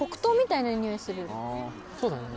そうだね。